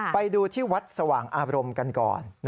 ไปดูที่วัดสว่างอารมณ์กันก่อน